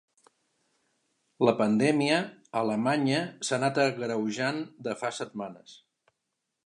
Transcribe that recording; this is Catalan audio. La pandèmia a Alemanya s’ha anat agreujant de fa setmanes.